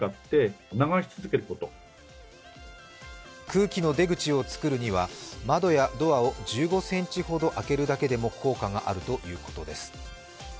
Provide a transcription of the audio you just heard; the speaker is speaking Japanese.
空気の出口を作るには窓やドアを１５ｃｍほど開けるだけでも効果があるということです。